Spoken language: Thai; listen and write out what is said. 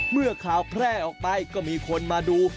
เมื่อข่าวแพร่ออกไปก็มีคนมาดู